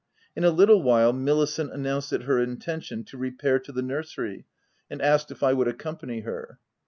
In a little while Milicent announced it her intention to repair to the nursery, and asked if I would accompany her.